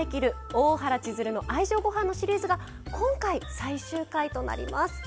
大原千鶴の愛情ごはん」のシリーズが今回最終回となります。